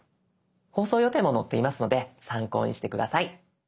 放送予定も載っていますので参考にして下さい。